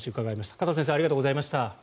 加藤先生ありがとうございました。